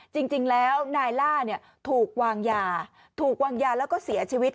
จริงแล้วนายล่าเนี่ยถูกวางยาถูกวางยาแล้วก็เสียชีวิต